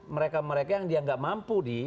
mereka mereka yang dia nggak mampu di